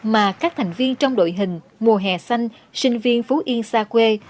mà các thành viên trong đội hình mùa hè xanh sinh viên phú yên xa quê